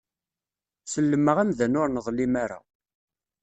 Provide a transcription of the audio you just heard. Sellmeɣ amdan ur neḍlim ara.